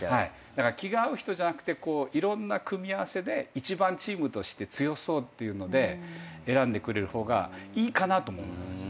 だから気が合う人じゃなくていろんな組み合わせで一番チームとして強そうっていうので選んでくれる方がいいかなと思います。